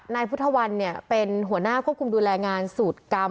นายพุทธวันเป็นหัวหน้าควบคุมดูแลงานสูตรกรรม